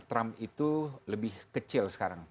trump itu lebih kecil